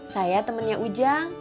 saya temennya ujang